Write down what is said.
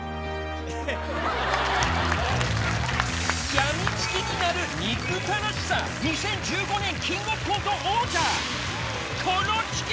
病みつきになる憎たらしさ、２０１５年キングオブコント王者、コロチキ。